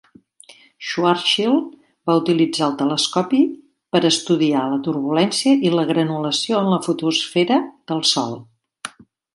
Schwarzschild va utilitzar el telescopi per estudiar la turbulència i la granulació en la fotosfera del sol.